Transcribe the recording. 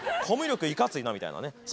コミュ力いかついなみたいなね。